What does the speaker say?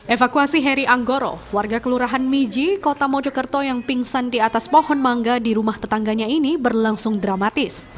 evakuasi heri anggoro warga kelurahan miji kota mojokerto yang pingsan di atas pohon mangga di rumah tetangganya ini berlangsung dramatis